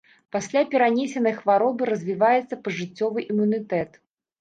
Пасля перанесенай хваробы развіваецца пажыццёвы імунітэт.